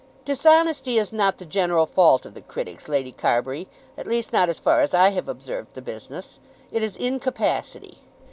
"Dishonesty is not the general fault of the critics, Lady Carbury, at least not as far as I have observed the business. It is incapacity.